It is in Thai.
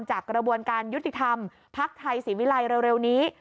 กระบวนการยุติธรรมภักดิ์ไทยศรีวิลัยเร็วนี้